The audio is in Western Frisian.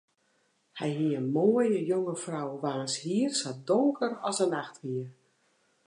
Hy hie in moaie, jonge frou waans hier sa donker as de nacht wie.